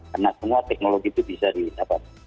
karena semua teknologi itu bisa di dapat